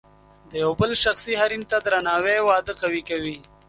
د یو بل شخصي حریم ته درناوی واده قوي کوي.